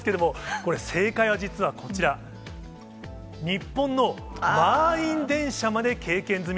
これ、正解は実はこちら、日本の満員電車まで経験済み。